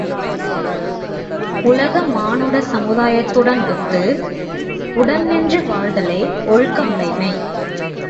உலக மானுட சமுதாயத்துடன் ஒத்து, உடன் நின்று வாழ்தலே ஒழுக்கமுடைமை.